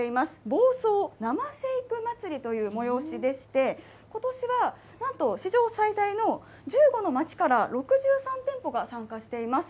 房総生シェイク祭という催しでして、ことしはなんと、史上最大の１５の町から６３店舗が参加しています。